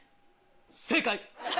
正解。